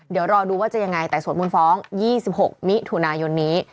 เดี๋ยวรอดูว่าจะยังไงแต่สวนมูลฟ้อง๒๖มิถุนายนนี้